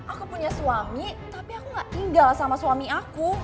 aku punya suami tapi aku gak tinggal sama suami aku